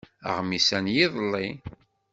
Aɣmis-a n yiḍelli.